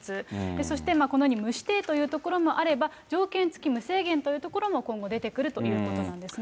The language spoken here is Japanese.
そしてこのように無指定というところもあれば、条件付き無制限という所も今後出てくるということなんですね。